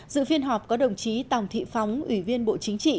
dự phiên họp có đồng chí tòng thị phóng ủy viên bộ chính trị